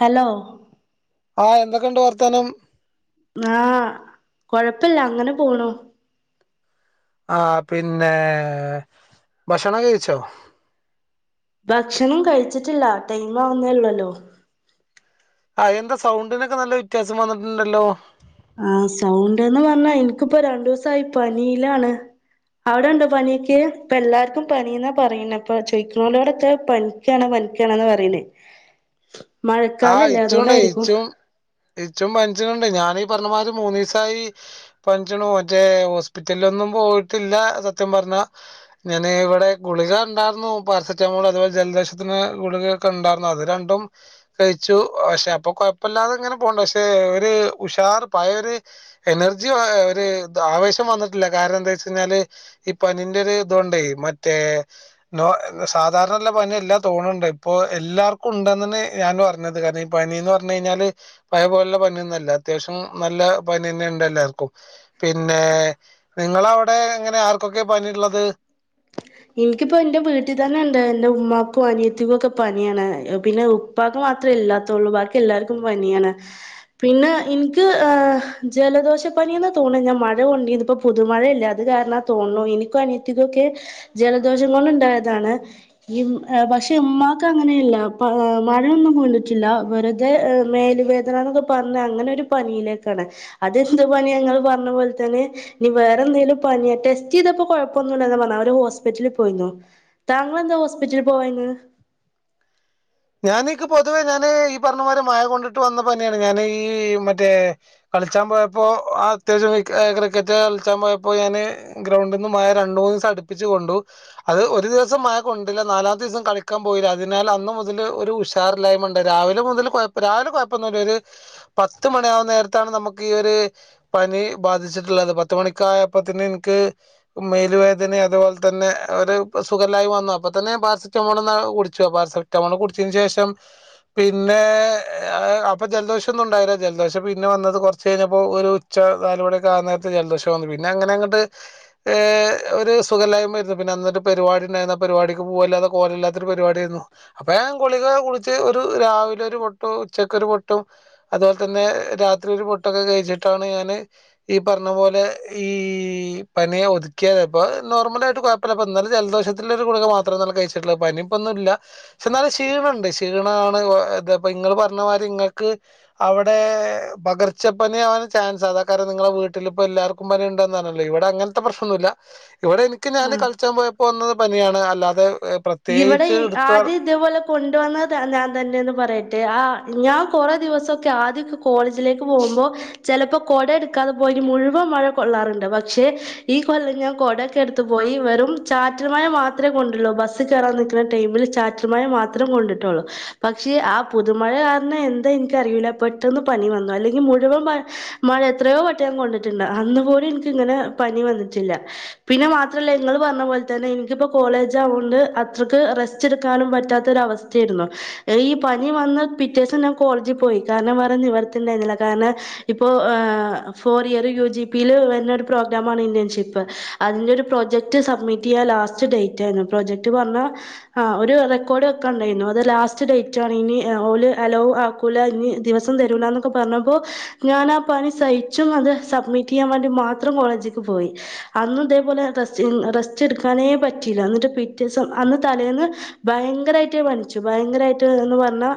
Hello ആഹ് എന്തൊക്കെയുണ്ട് വർത്താനം? ആഹ് കൊഴപ്പില്ല അങ്ങനെ പോണു. ആഹ് പിന്നെ ഭക്ഷണം ഒക്കെകഴിച്ചോ? ഭക്ഷണം കഴിച്ചിട്ടില്ല ടൈം ആവുന്നല്ലുള്ളല്ലോ. ആഹ് എന്താ സൗണ്ടിനൊക്കെ നല്ല വ്യത്യാസം വന്നിട്ടുണ്ടല്ലോ? ആഹ് സൗണ്ട്ന്ന് പറഞ്ഞാ എനിക്കിപ്പോ രണ്ടു സായി പനിലാണ്. അവിടെണ്ടോ പനിയൊക്കെ ഇപ്പ എല്ലാവർക്കും പനിന്നാ പറയുന്നെ ഇപ്പൊ ചോയിക്കുന്നവരോടൊക്കെ പ പനിക്കയാണ് പനിക്കയാണെന്ന പറീന്നെ. ആഹ് ഇച്ചുംണ്ട് അതുകൊണ്ടായിരിക്കും ഇച്ചു ഇച്ചും പനിച്ചിൻഡ് ഞാനീ പറഞ്ഞമാതി മൂന്ന്സായി, പനിച്ചനു മറ്റേ ഹോസ്പിറ്റലിലൊന്നും പോയിട്ടില്ല സത്യം പറഞ്ഞ ഞാൻ ഇവിടെ ഗുളികണ്ടായിരുന്നു പാരസെറ്റാമോൾ അതുപോലെ ജലദോഷത്തിന് ഗുളിക ക്കൊണ്ടായിരന്ന അത് രണ്ടും കഴിച്ചു പക്ഷെ അപ്പൊ കൊഴപ്പില്ലാതെ ഇങ്ങനെ പോനു പക്ഷെ ഒരുഷാർ പഴെയൊരു എനർജി ഒരു ആവേശം വന്നിട്ടില്ല കാരണം എന്താച്ചഴിഞ്ഞാല്, ഈ പനീന്റെ ഒരു ഇതോണ്ടേ മറ്റേ നോ സാധാരനുള്ള പനിയ എല്ലാ തോന്നുണ്ട് ഇപ്പൊ എല്ലാർക്കും ഉണ്ട ഞാൻ പറഞ്ഞത് കാരണം ഇപ്പനിന്ന് പറഞ്ഞു ഴിഞ്ഞാല്, പഴേപോലുള്ള പനിയൊന്നുംല്ല അത്യാവശ്യം നല്ല പനിന്നെ ഉണ്ട് എല്ലാർക്കും. പിന്നെ നിങ്ങളവിടെ ങ്ങനെ ആർക്കൊക്കെ പനിയുള്ളത്? എനിക്കിപ്പോ എന്റെ വീട്ടിൽ തന്നെ ഇണ്ട് എന്റെ ഉമ്മാക്കും അനിയത്തിക്കു ഒക്കെ പനിയാണ് പിന്നെ ഉ പ്പാക്ക് മാത്രേ ഇല്ലാത്തുള്ളൂ ബാക്കി എല്ലാർക്കും പനിയാണ്. പിന്നെ ഇന്ക്ക് ജലദോഷ പനിയന്ന് തോന്ന ഞാൻ മഴ കൊണ്ട് രുന്നു പുതുമഴല്ലേ അത് കാരണാതോന്നു ഇന്ക്കും അനിയത്തികൊക്കെ ജലദോഷം കൊണ്ട ഇണ്ടായതാണ് പക്ഷെ ഉമ്മാക്ക് അങ്ങനെയല്ല മഴയൊന്നും കൊണ്ടിട്ടില്ല വെറുതെ മേല് വേ ക്കെ പറഞ്ഞ അങ്ങനെ ഒരു പനിയിലേക്കാണ് അതെന്ത് പണിങ്ങള് പറഞ്ഞ പോലെ തന്നെ ഇനി വേറെ എന്തേലും പനി റ്റേസ്റ്റ്യ്തപ്പോ കൊഴപ്പൊന്നുല്ല പറഞ്ഞാ അവര് ഹോസ് പിറ്റലിൽ പോയിനു താങ്കള്ന്താ ഹോസ്പിറ്റലില് പോവായിന്ന് ഞാനീക്ക് പൊതുവേ ഞാന് ഈ പറഞ്ഞമാരെ മഴാ കൊണ്ട്ട്ട് വന്നപനിയാണ് ഞാൻ ഈ മറ്റേ കള്ച്ചാൻ പോയപ്പോ അത്യാവശ്യം ക്രിക്കറ്റ് കളിച്ചാൻ പോയപ്പോ ഞാന് ഗ്രൗണ്ട്ന്ന് മഴ രണ്ടു മൂന്ന്സം അടുപ്പിച്ചു കൊണ്ടു അത് ഒരു ദിവസം മഴ കൊണ്ടില്ല നാലാമത്തെ ദിസം കളിക്കാൻ പോയില്ല അതിനാൽ അന്ന് മുത ല് ഒരു ഉഷാറില്ലായ്മണ്ട് രാവിലെ മുതൽ കൊയപ്പോ രാവിലെ കൊഴപ്പോന്നുല്ല ഒര് പത്ത് മണി ആവുന്ന നേരത്താണ് നമുക്ക് ഈ ഒര് പനി ബാധിച്ചിട്ട്ള്ളത് പത്ത് മണിക്കായപ്പോ തന്നെ ഇന്ക്ക് മേൽവേദന അതുപോലെ തന്നെ ഒര് സുഖാല്ലായി വന്നു അപ്പൊ തന്നെ പാരസെറ്റമോൾ കുടിച്ചു പാര സിറ്റാമോള് കുടിചെന് ശേഷം പിന്നെ അപ്പൊ ജലദോഷൊന്നും ഇണ്ടായില്ല ജലദോഷം പിന്നെ വന്നത് കൊറ്ച്ച് കഴിഞ്ഞപ്പോ ഒരു ഉച്ച നാലുമണിയൊക്കെ ആ നേരത്ത് ജലദോഷം വന്ന് പിന്നെ അങ്ങനെ അങ്ങട്ട് ഏഹ് ഒരു സുഖലായ്മരുന്നു പിന്നെ അന്നൊരു പരിപാടിണ്ടായിരുന്നു പരിപാടിക്ക് പോവില്ലാതെ കോലല്ലാത്തൊരു പരിപാടി ആയിരുന്നു അപ്പം ഞാൻ ഗുളിക കുടിച്ച് ഒരു രാവിലെ ഒരു പൊട്ടും ഉച്ചക്കൊരു പൊട്ടും അതുപോലെതന്നെ രാത്രി ഒരു പൊട്ടൊക്കെ കഴിച്ചിട്ടാണ് ഞാന് ഈ പറഞ്ഞ പോലെ ഈ പനിയെ ഒതുക്കിയത് ഇപ്പൊ നോർമലായിട്ട് കൊയ് ഇപ്പൊ ഇന്നലെ ജലദോഷത്തിനിള്ളെ ഒരു ഗുളിക മാത്രന്നലെ കഴിച്ചിട്ടിള്ളത് പനിപ്പന്നില്ല പക്ഷെ എന്നാലും ക്ഷീണണ്ട് ക്ഷീണാണ് ഇപ്പം ഇങ്ങള് പറഞ്ഞമാതിരി ഇങ്ങൾക്ക് അവിടെ പകർച്ചപ്പനി ആവാൻ ചാൻസ് അതാ കാരണം നിങ്ങളെ വീട്ടിലിപ്പോ എല്ലാവർ ക്കും വര്ണ്ടോന്നറില ഇവിടെ അങ്ങനത്തെ പ്രശ്നൊന്നുല്ല ഇവിടെ എനി എനിക്ക് ഞാന് ആഹ് കളിച്ചാ പോയപ്പോവന്ന പനിയാണ് അല്ലാതെ ഇവിടെഈ പ്രത്യേകിച്ച് എടുത്ത് ആദ്യം ഇതേപോലെ കൊണ്ടുവന്നത് ഞാൻ തന്നെന്ന് പറയട്ടെ ആഹ് ഞാൻ കൊറേ ദിവസൊക്കെ ആദ്യൊക്കെ കോളേജിലേക്ക് പോകുമ്പോ ചെലപ്പോ കൊട എടുക്കാതെ പോയിട്ട് മുഴുവൻ മഴ കൊള്ളാറുണ്ട് പക്ഷെ ഈ കൊല്ലം ഞാൻ കൊടൊക്കെ എടുത്ത് പോയി വെറും ചാറ്റൽമഴ മാത്രേ കൊണ്ടുള്ളൂ ബസ് ബസ് കേറാൻ നിക്ക്ണ ടൈമ് ചാറ്റല് മഴ മാത്രം കൊണ്ട്ടുള്ളു പക്ഷെ ആ പുതുമഴ കാരണം എന്താ ഇന്ക്കറിയൂല്ല പെട്ടെന്ന് പനി വന്നു അല്ലെങ്കിൽ മുഴുവൻ മഴ മഴ എത്രയോ വട്ടം ഞാൻ കൊണ്ടിട്ട്ണ്ട് അന്ന്പോലും ഇന്ക്ക് ഇങ്ങനെ പനി വന്ന്ട്ട്ല്ല പിന്നെ മാത്രല്ല ഇങ്ങള് പറഞ്ഞ പോലെ തന്നെ ഇന്ക്ക്പ്പോ കോളേജ് ആവോണ്ട് അത്രക്ക് റസ്റ്റ് എട്ക്കാനും പറ്റാത്തൊരു അവസ്ഥയാരുന്നു ഈ പനി വന്ന പിറ്റേസം ഞാൻ കോളേജിൽ പോയി കാരണം വേറെ നിവറ്ത്തിണ്ടാന്നില്ല കാരണം ഇപ്പോ ഫോർ ഇയർ യു ജി പിയില് വരുന്നരു പ്രോഗ്രാമാണ് ഇന്റേൺഷിപ്പ് അതിൻ്റെ ഒരു പ്രൊജക്റ്റ് സബ്മിറ്റ് ചെയ്യാൻ ലാസ്റ്റ് ഡേയ്റ്റായിരുന്നു പ്രൊജക്റ്റ് പറഞ്ഞാൽ ആഹ് ഒരു റെക്കോർഡ് വെക്കാണ്ടായിരുന്നു അത് ലാസ്റ്റ് ഡേയ്റ്റ് ആന്നെനി ഓല് അലോവ്ട് ആക്കൂല ഇനി ദിവസം തരൂലാന്നൊക്കെ പറഞ്ഞപ്പോ ഞാൻ ആ പനി സഹിച്ചും അത് സബ്മിറ്റ് ചെയ്യാൻ വേണ്ടി മാത്രം കോളേജ്ക്ക് പോയി അന്ന് ഇതേപോലെ റസ്റ്റ് റസ്റ്റ് എട്ക്കാനേ പറ്റില്ല എന്നട്ട് പി പിറ്റേസം അന്ന് തലേന്ന് ഭയങ്കരായിട്ട് പനിച്ചു ഭയങ്കരായിട്ട്ന്ന് പറഞ്ഞാ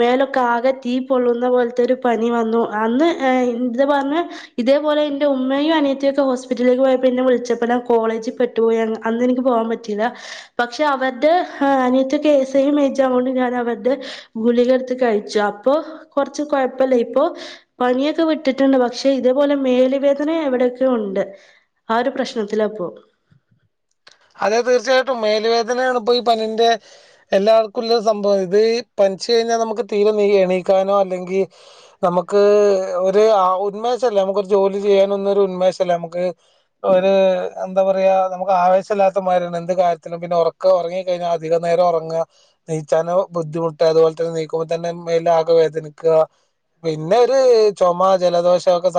മേലൊക്കെ ആകെ തീ പൊള്ളുന്ന പോലത്തെ ഒരു പനി വന്നു അന്ന് ഏഹ് ഇത് പറഞ്ഞ് ഇതേപോലെ ഇന്റെ ഉമ്മയും അനിയത്തെയും ഒക്കെ ഹോസ്പിറ്റലിലേക്ക് പോയപ്പോന്നെ വിളിച്ചപ്പാ കോളേജിൽ പെട്ടുപോയ് അന്ന് എനിക്ക് പോവാൻ പ റ്റില പക്ഷെ അവര്ടെ അനിയത്തിയൊക്കെ സെയിം എയ്ജാവോണ്ട് ഞാൻ അവര്ടെ ഗുളികെട്ത്ത് കഴിച്ചു അപ്പൊ കൊറ്ച്ച് കൊഴപ്പല്ല ഇപ്പൊ പനിയൊക്കെ വിട്ട്ട്ടുണ്ട് പക്ഷെ ഇതേപോലെ മേല് വേദന എവ്ടെക്കെയോ ഉണ്ട് ആഹ് ഒരു പ്രശ്നത്തിലാപ്പോ അതെ തീർച്ചായിട്ടും മേല് വേദനയാണ് ഇപ്പൊ ഈ പനിന്റെ എല്ലാവർക്കുള്ള സംഭവം ഇത് പനിച്ച് കഴിഞ്ഞാൽ നമുക്ക് തീരെ എണീക്കാനോ അല്ലെങ്കിൽ നമക്ക് ഒരു ആവത് ഉന്മേഷല്ല നമ്മക്ക് ജോലി ചെയ്യാനൊന്നും ഒരു ഉന്മേഷല്ല നമുക്ക്. ഒരു എന്താ പറയാ നമുക്ക് ആവേശ ല്ലാത്തമരിയാണ് എന്ത് കാര്യത്തിനും പിന്നെ ഉറക്കം ഉറങ്ങിക്കഴിഞ്ഞാൽ അധികം നേരം ഉറങ്ങാ നീച്ചാനോ ബുദ്ധിമുട്ട് അതുപോലെ തന്നെ നീക്കുമ്പോതന്നെ മേലാകെ വേദനിക്കാ പിന്നെ ഒരു ചുമ ജലദോഷം ഒക്കെ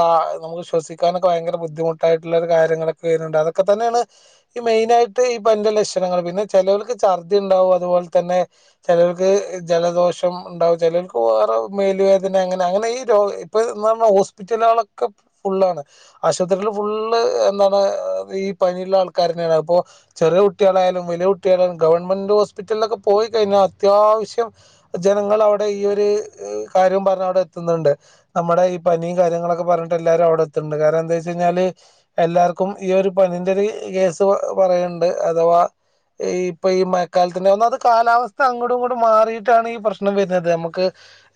നമുക്ക് ശ്വസിക്കാനൊക്കെ ഭയങ്കര ബുദ്ധിമുട്ടായിട്ടുള്ള ഒരു കാര്യങ്ങള് കാര്യങ്ങളൊക്കെ വര്നൂണ്ട് അതൊക്കെ തന്നേണ്. ഈ മെയിനായിട്ട് ഈ പനിന്റെ ലക്ഷണങ്ങൾ പിന്നെ ചേലോർക്ക് ഛർദ്ദിണ്ടാവും അതുപോലെ തന്നെ ചെലവർക്ക് ജലദോഷം ണ്ടാവും. ചേലോൽക്ക് വേറെ മേല് വേദനെ അങ്ങനെ അങ്ങനെ ഈ രോ ഇപ്പം ന്ന് പർണാ ഹോസ്പിറ്റലേളക്കെ ഫുള്ളാണ്. ആശുപത്രീല് ഫുള്ള് എന്താണ് ഈ പനിള്ള ആൾക്കാരന്നേണ്. അതിപ്പൊ, ചെറിയ കുട്ട്യേളായാലും വലിയ കുട്ട്യേളാലും ഗവൺമെന്റ് ഹോസ്പിറ്റൽലൊക്കെ പോയി കഴിഞ്ഞാ അത്യാവശ്യം ജനങ്ങള് അവിടെ ഈയൊരു കാര്യം പറഞ്ഞവിടെ എത്തുന്നുണ്ട്. നമ്മുടെ ഈ പനീം കാര്യങ്ങളൊക്കെ പറഞ്ഞിട്ട് എല്ലാരും അവ്ടെ എത്ത്ണ്ട്. കാരണം എന്തേച്ചെയ്ഞ്ഞാല് എല്ലാർക്കും ഈ ഒരു പനിന്റെ ഒരു കേസ് പറയണ്ട്. അഥവാ ഈപ്പ ഈ മയക്കാലത്തിന്റെ ഒന്നാമത് കാലാവസ്ഥ അങ്ങോടും ഇങ്ങോടും മാറിയിട്ടാണ് ഈ പ്രശ്നം വര്നത് നമ്മക്ക്.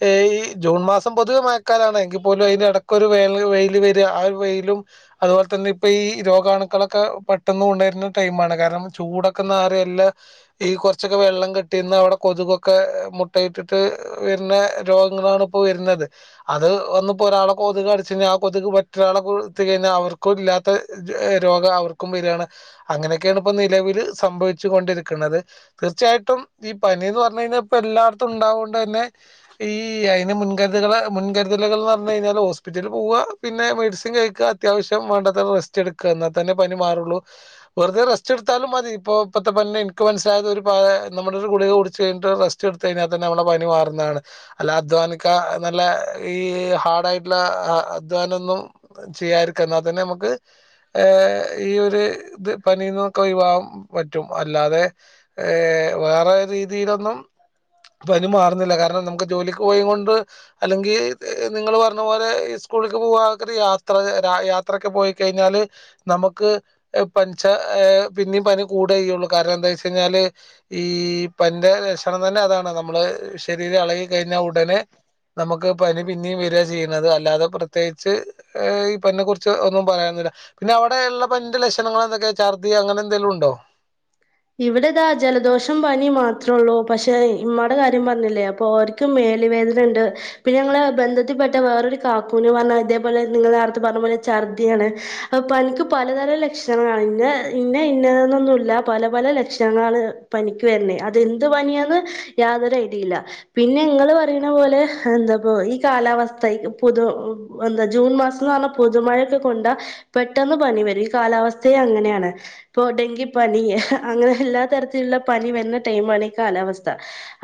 ഏ ഈ ജൂൺ മാസം പൊതുവെ മയക്കാലാണ് എങ്കി പോലും അയിന്റെടക്കൊരു വേനൽ വെയിൽ വെരാ. ആ ഒരു വെയിലും അതുപോലെ തന്നെ ഇപ്പ ഈ രോഗാണുക്കളൊക്കെ പെ ട്ടെന്ന് ഉണര്ന ടൈമാണ് കാരണം ചൂടൊക്കൊന്ന് ആറി എല്ല ഈ കൊറച്ചൊക്കെ വെള്ളം കെട്ടി നിന്ന് അവിടെ കൊതുകൊക്കെ മുട്ടയിട്ടിട്ട് വര്നെ രോഗങ്ങളാണ് ഇപ്പോ വര്നത്. അത് ഒന്നിപ്പോ ഒരാളെ കൊതുക് കടിച്ചഴിഞ്ഞാ ആ കൊതുക് മറ്റൊരാളെ കുത്തി കഴിഞ്ഞാ അവർക്കും ഇല്ലാത്ത ജ് രോഗം അവർക്കും വരാണ്. അങ്ങനെയൊക്കെയാണ് ഇപ്പോ നിലവില് സംഭവിച്ചു കൊണ്ടിരിക്ണത്. തീർച്ചയായിട്ടും ഈ പനീന്ന് പറഞ്ഞ് കഴിഞ്ഞാ ഇപ്പൊ എല്ലാട്ത്തും ഉണ്ടാവോണ്ട് തന്നെ ഈ അയ്ന് മുൻകരുത്കള് മുൻകരുതലുകൾ ന്ന് പറഞ്ഞു കഴിഞ്ഞാൽ ഹോസ്പിറ്റല് പോവാ. പിന്നെ മെഡിസിൻ കഴിക്കാ അത്യാവശ്യം വേണ്ടത്ര റെസ്റ്റ് എടുക്കാ. എന്നാ തന്നെ പനി മാറൊള്ളൂ. വെറുതെ റസ്റ്റ് എടുത്താലും മതി ഇപ്പോ ഇപ്പത്തെ പനിനെ ഇൻക്ക് മനസ്സിലായത് ഒരു പ നമ്മുടെ ഒരു ഗുളിക കുടിച്ച് കഴിഞ്ഞിട്ട് റെസ് റ്റ്ട്ത്ത് കഴിഞ്ഞാ തന്നെ നമ്മടെ പനി മാറുംന്നാണ്. അല്ലാ അധ്വാനിക്കാ നല്ല ഈ ഹാർഡായിട്ടുള്ള അധ്വാനൊന്നും ചെയ്യായിരിക്കാ എന്നാ തന്നെ നമുക്ക് ഏഹ് ഈ ഒരു ഇത് പനീന്നൊക്കെ ഒഴിവാവാൻ പറ്റും. അല്ലാതെ ഏഹ് വേറെ രീതിയിലൊന്നും. പനി മാറുന്നില്ല കാരണം നമുക്ക് ജോലിക്ക് പോയ്ങ്ങൊണ്ട് അല്ലെങ്കി നിങ്ങൾ പറഞ്ഞ പോലെ ഇസ്കൂളിക്ക് പോവാ അതൊക്കൊര് യാത്ര രാ യാത്രൊക്കെ പോയി കഴിഞ്ഞാല് നമുക്ക് പനിച്ചാ ഏഹ് പിന്നിം പനി കൂടാ ചെയ്യൊള്ളു കാരണം എന്താച്ചഴിഞ്ഞാല് ഈ പനിന്റെ ലക്ഷണം തന്നെ അതാണ് നമ്മള് ശരീരം എളകി കഴിഞ്ഞാ ഉടനെ നമുക്ക് പനി പിന്നിം വരാ ചെയ്യണത്. അല്ലാതെ പ്രത്യേകിച്ച് ഈ പനിനെ കുറിച്ച് ഒന്നും പറയാനൊന്നുല്ല. പിന്നെ അവിടെയ്ള്ള പനിന്റെ ലക്ഷണങ്ങൾ എന്തൊക്കെ ചർദി അങ്ങെനെ എന്തെലും ഉണ്ടോ? ഇവിടെ ഇതാ ജലദോഷം പനി മാത്രൊള്ളൂ. പക്ഷെ ഇമ്മാടെ കാര്യം പറ്ഞ്ഞിലേ അപ്പോ ഓര് ക്ക് മേല് വേദനണ്ട്. പിന്നെ ഞങ്ങളെ ബന്ധത്തിപ്പെട്ട വേറൊരു കാക്കൂന് പറ്ഞ്ഞാ ഇതേപോലെ നിങ്ങൾ നേരത്തെ പറഞ്ഞ പോലെ ഛർദ്ദിയാണ്. അപ്പ പനിക്ക് പലതരം ലക്ഷണങ്ങളാണ് ഇന്ന ഇന്ന ഇന്നേന്നൊന്നുല്ല. പല പല ലക്ഷണങ്ങളാണ് പനിക്ക് വര്ണേ. അതെന്ത് പനിയാന്ന് യാതൊരു ഐഡീല്ല. പിന്നെ ഇങ്ങള് പറയ്ണ പോലെ എന്താപ്പോ ഈ കാലാവസ്ഥ ഈ പൊതു എന്താ ജൂൺ മാസം ന്ന് പറഞ്ഞാ പുതുമഴയൊക്കെ കൊണ്ടാ പെട്ടെന്ന് പനി വരും. ഈ കാലാവസ്ഥയെ അങ്ങനേണ്. ഇപ്പൊ ഡെങ്കിപ്പനി ഹേ അങ്ങനെ എല്ലാ തരത്തിലുള്ള പനി വര്ന ടൈമാണ് ഈ കാലാവസ്ഥ.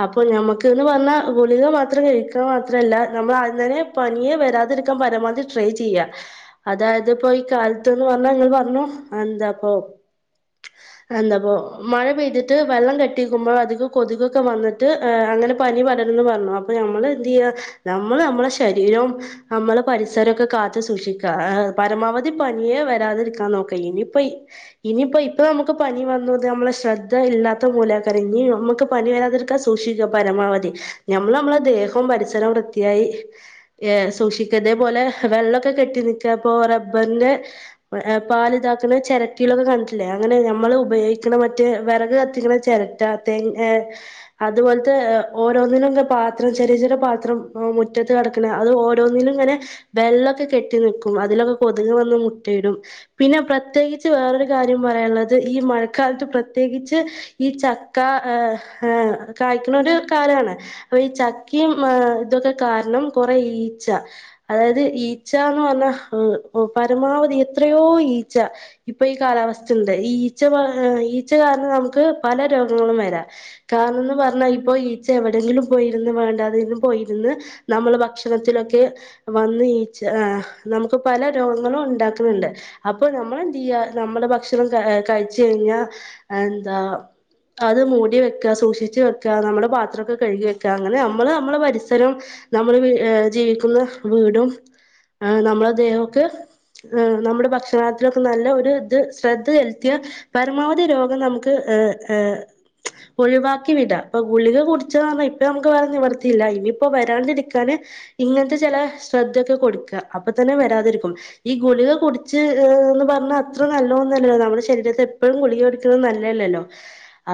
അപ്പം ഞമ്മക്ക്ന്ന് പറഞ്ഞാ ഗുളിക മാത്രം കഴിക്കാ മാത്രല്ല നമ്മൾ ആദ്യം തന്നെ പനിയെ വരാതിരിക്കാൻ പരമാവധി ട്രൈ ചെയ്യ. അതായത് ഇപ്പോ ഈ കാലത്ത്ന്ന് പറഞ്ഞാ നിങ്ങള് പറഞ്ഞു എന്താപ്പൊ എന്താപ്പോ മഴ പെയ്തിട്ട് വെള്ളം കെട്ടിക്കുമ്പോ അധികം കൊതുകൊക്കെ വന്നിട്ട് അങ്ങനെ പനി പടരുന്ന് പറഞ്ഞു അപ്പൊ നമ്മള് എന്ത് ചെയ്യ നമ്മള് നമ്മളുടെ ശരീരം നമ്മള് പരിസരമൊക്കെ കാത്തു സൂക്ഷിക്കാ പരമാവധി പനിയെ വരാതിരിക്കാൻ നോക്കാ ഇനിയിപ്പൊ ഇനിയിപ്പോ ഇപ്പൊ നമുക്- ക്ക് പനി വന്നത് നമ്മളെ ശ്രദ്ധ ഇല്ലാത്ത മൂല കരഞ്ഞ് നമുക്ക് പനി വരാതിരിക്കാൻ സൂക്ഷിക്ക പരമാവധി ഞമ്മൾ നമ്മളെ ദേഹവും പരിസരവും വൃത്തിയായി ഏർ സൂക്ഷിക്ക ഇതേപോലെ വെള്ളമൊക്കെ കെട്ടി നിക്കപ്പോ റബ്ബറിന്റെ പാലിതാക്കുന്ന ചിരട്ടിലൊക്കെ കണ്ടിട്ടില്ലേ അങ്ങനെ നമ്മൾ ഉപയോഗിക്കണ മറ്റേ വിറക് കത്തിക്കണ ചിരട്ട തെങ് ഏഹ് അതുപോലത്തെ ഓരോന്നിനും പാത്രം ചെറിയ ചെറിയ പാത്രം മുറ്റത്ത് കട- ക്കണ അത് ഓരോന്നിലും ഇങ്ങനെ വെള്ളൊക്കെ കെട്ടി നിക്കും അതിലൊക്കെ കൊതുക് വന്ന് മുട്ടയിടും പിന്നെ പ്രത്യേകിച്ച് വേറൊരു കാര്യം പറയാനുള്ളത് ഈ മഴക്കാലത്ത് പ്രത്യേകിച്ച് ഈ ചക്ക ആഹ് കായ്ക്കണ ഒരു കാലാണ് അപ്പൊ ഈ ചക്കീം ഇതൊക്കെ കാരണം കൊറെ ഈച്ച അതായത് ഈച്ചാന്ന് പറഞ്ഞാ പരമാവധി എത്രയോ ഈച്ച ഇപ്പൊ ഈ കാലാവസ്ഥണ്ട് ഈ ഈച്ച ഈച്ച കാരണം നമുക്ക് പല രോഗങ്ങളും വരാം കാരണന്ന് പറഞ്ഞാ ഇപ്പൊ ഈച്ച എവിടെയങ്കിലും പോയിരിന്ന് വേണ്ടാതെും പോയിരിന്ന് നമ്മള് ഭക്ഷണത്തിലൊക്കെ വന്ന് ഈച്ച ആഹ് നമുക്ക് പല രോഗങ്ങളും ഉണ്ടാക്കണ്ണ്ട് അപ്പൊ നമ്മളെന്ത് ചെയ്യാ നമ്മുടെ ഭക്ഷണം കഴിച്ച കഴിഞ്ഞാൽ എന്താ അത് മൂടി വെക്ക സൂക്ഷിച്ചു വെക്കുക നമ്മളെ പാത്രൊക്കെ കഴുകി വെക്കുക അങ്ങനെ നമ്മള് നമ്മളെ പരിസരം നമ്മൾ ഏഹ് ജീവിക്കുന്ന വീടും ആഹ് നമ്മളുടെ ദേഹൊക്ക് നമ്മുടെ ഭക്ഷണത്തിലൊക്കെ നല്ല ഒരു ഇത് ശ്രദ്ധ ചെലുത്തിയാ പരമാവധി രോഗം നമുക്ക് ഏഹ് ഏഹ് ഒഴിവാക്കി വിട ഇപ്പൊ ഗുളിക കുടിച്ച പറഞ്ഞാൽ ഇപ്പ നമുക്ക് വേറെ നിവർത്തിയില്ല ഇനിയിപ്പോ വരാണ്ടിരിക്കാന് ഇങ്ങനത്തെ ചില ശ്രദ്ധ ഒക്കെ കൊടുക്ക അപ്പൊ തന്നെ വരാതിരിക്കും ഈ ഗുളിക കുടിച്ച് ഈഹ് എന്ന് പറഞ്ഞ അത്ര നല്ലോന്നല്ലല്ലോ നമ്മുടെ ശരീരത്തെ എപ്പോഴും കുളിക കുടിക്കുന്നത് നല്ലതല്ലല്ലോ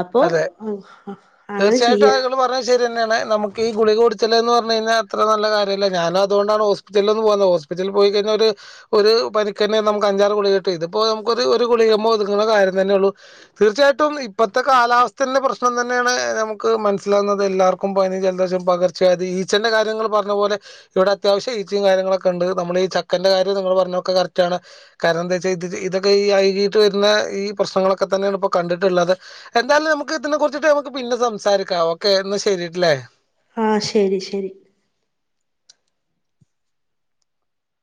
അപ്പോ അതെ ആഹ് ആഹ് അങ്ങനെ ചെയ്യ തീർച്ചയായിട്ടും അത്ങ്ങള് പറഞ്ഞത് ശരി തന്നെയാണ് നമുക്ക് ഈ ഗുളികടിച്ചല് പറഞ്ഞ കഴിഞ്ഞാ അത്ര നല്ല കാര്യല്ല ഞാൻ അതൊണ്ടാണ് ഹോസ്- പിറ്റിൽ ഒന്നും പോവാതെ ഹോസ്പിറ്റിൽ പോയി കഴിഞ്ഞ ഒരു ഒരു പനിക്കന്നെ നമുക്ക് അഞ്ചാറ് കുളിക കിട്ടും ഇതിപ്പൊ നമുക് ഒരു കുളികമ്മേ ഒതുങ്ങുന്ന കാര്യം തന്നെ ഉള്ളൂ തീർച്ചയായിട്ടും ഇപ്പ- ഇപ്പത്തെ കാലാവസ്ഥേന്റെ പ്രശ്നം തന്നെയാണ് നമുക്ക് മനസ്സിലാവുന്നത് എല്ലാവർക്കും പനി ജലദേശം പകർ- ച്ചവ്യാധി ഈച്ചന്റെ കാര്യങ്ങൾ പറഞ്ഞ പോലെ ഇവിടെ അത്യാവശ്യ ഈച്ചിയും കാര്യങ്ങളൊക്കെ ഉണ്ട് നമ്മൾ ഈ ചക്കന്റെ കാര്യം നിങ്ങൾ പറഞ്ഞൊക്കെകറക്റ്റ് ആണ് കാരണം എന്താ വെച്ചാ ഇത് ഇതൊക്കെ ഈ ആയുകിയിട്ട് വരുന്ന ഈ പ്രശ്നങ്ങളൊക്കെ തന്നെയാണ് ഇപ്പൊ കണ്ടിട്ടുള്ളത് എന്തായാലും നമുക്ക് ഇതിനെ കുറിച്ചിട്ട് നമുക്ക് പിന്നെ സംസാരിക്കാം ഓക്കെ എന്ന ശരിയിലേ ആഹ് ശരി ശരി